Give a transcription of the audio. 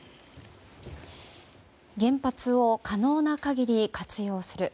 原発を可能な限り活用する。